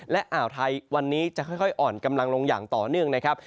และอ่าวไทยวันนี้จะค่อยอ่อนกำลังลงอย่างต่อเนื่องนะครับ